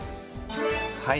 はい。